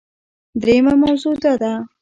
دریمه موضوع دا ده